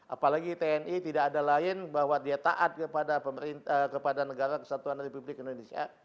apalagi tni tidak ada lain bahwa dia taat kepada negara kesatuan republik indonesia